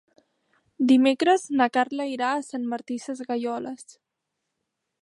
Dimecres na Carla irà a Sant Martí Sesgueioles.